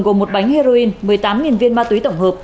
gồm một bánh heroin một mươi tám viên ma túy tổng hợp